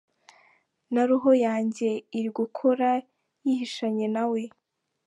Na roho yanjye irigukora yihishanye nawe.